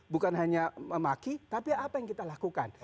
bukan hanya memaki tapi apa yang kita lakukan